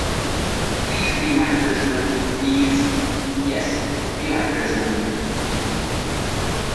Please be my prisoner, please. Yes, be my prisoner